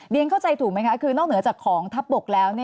เข้าใจถูกไหมคะคือนอกเหนือจากของทัพบกแล้ว